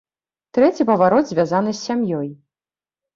Трэці паварот звязаны з сям'ёй.